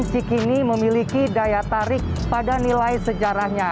cikini memiliki daya tarik pada nilai sejarahnya